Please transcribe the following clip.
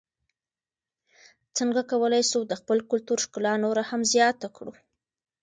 څنګه کولای سو د خپل کلتور ښکلا نوره هم زیاته کړو؟